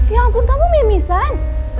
ya ampun kamu mimisan